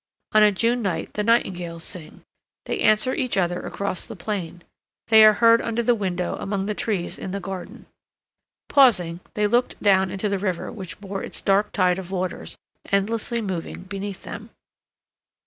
On a June night the nightingales sing, they answer each other across the plain; they are heard under the window among the trees in the garden. Pausing, they looked down into the river which bore its dark tide of waters, endlessly moving, beneath them.